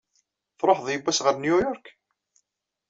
Tṛuḥeḍ yewwas ɣer New York?